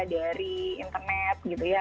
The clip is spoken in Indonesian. dari internet gitu ya